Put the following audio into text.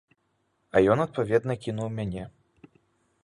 А ён, адпаведна, кінуў мяне.